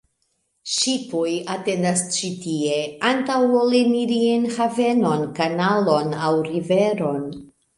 Ŝipoj atendas ĉi tie antaŭ ol eniri en havenon, kanalon aŭ riveron.